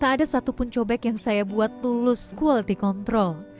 tak ada satupun cobek yang saya buat tulus quality control